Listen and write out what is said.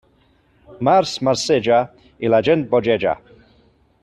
Març marceja... i la gent bogeja.